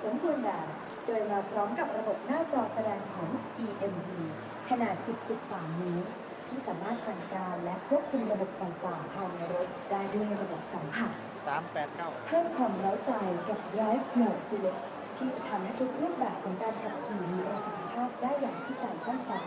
เพิ่มความแล้วใจกับรายฟ์เหนื่อยซีเล็กที่จะทำให้ทุกรูปแบบกำกัดกับทีมีอันสัมภาพได้อย่างที่ใจกล้างกาย